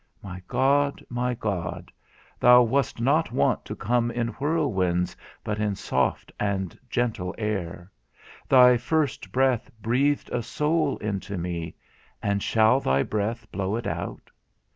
My God, my God, thou wast not wont to come in whirlwinds, but in soft and gentle air. Thy first breath breathed a soul into me, and shall thy breath blow it out?